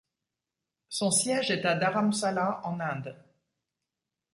Son siège est à Dharamsala en Inde.